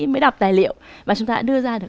mới đọc tài liệu và chúng ta đã đưa ra được